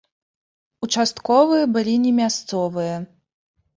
Участковыя былі не мясцовыя.